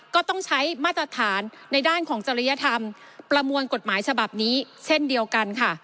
ก็ต้องใช้มาตรฐานในด้านของจริยธรรมประมวลกฎหมายฉบับนี้เช่นเดียวกันค่ะ